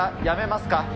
やめますか？